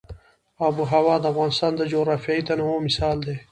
آب وهوا د افغانستان د جغرافیوي تنوع مثال دی.